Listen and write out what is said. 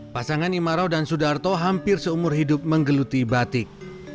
pasangan imarau dan sudarto hampir seumur hidup menggeluti batik